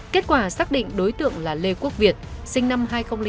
kết quả xác định đối tượng là lê quốc việt sinh năm hai nghìn bốn